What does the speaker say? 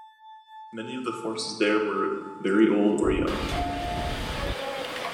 Many of the forces there were very old or young.